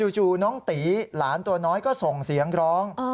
น้องตีหลานตัวน้อยก็ส่งเสียงร้อง